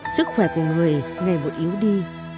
sức khỏe của người ngày một yếu đi